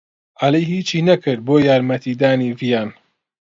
عەلی ھیچی نەکرد بۆ یارمەتیدانی ڤیان.